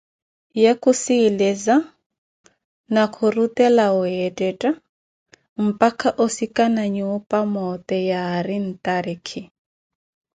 Ye khusiileza ni khurutela weettetta mpakha osikana nnyupa moote yaari ntarikhi.